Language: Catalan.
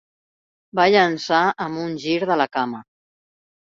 Va llançar amb un gir de la cama.